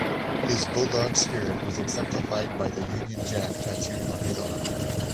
His bulldog spirit was exemplified by the Union Jack tattooed on his arm.